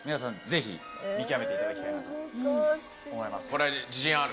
ぜひ見極めていただきたいなと思います。